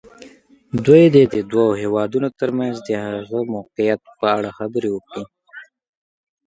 دوی دې د دوو هېوادونو تر منځ د هغه موقعیت په اړه خبرې وکړي.